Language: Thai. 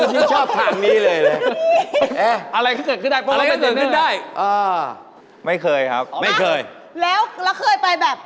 คุณชอบผ่านนี้เลย